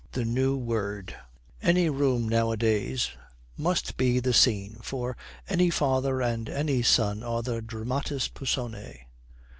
THE NEW WORD Any room nowadays must be the scene, for any father and any son are the dramatis personae.